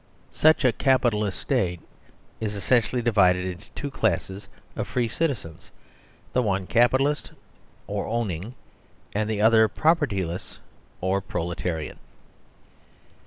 Such a Capitalist State is essentially divided into two classes of free citizens, the one capitalist or owning, the other pro pertyless or proletarian.